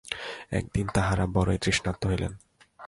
একদিন তাঁহারা বড়ই তৃষ্ণার্ত হইলেন।